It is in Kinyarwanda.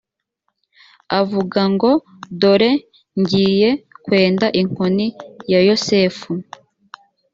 avuga ngo dore ngiye kwenda inkoni ya yosefu